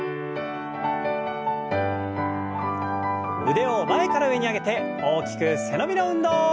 腕を前から上に上げて大きく背伸びの運動。